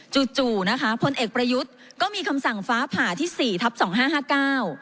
จู่นะคะพลเอกประยุทธ์ก็มีคำสั่งฟ้าผ่าที่สี่ทับสองห้าห้าเก้า